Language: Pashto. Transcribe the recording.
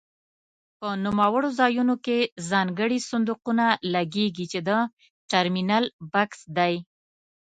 په نوموړو ځایونو کې ځانګړي صندوقونه لګېږي چې د ټرمینل بکس دی.